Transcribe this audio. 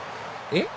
えっ？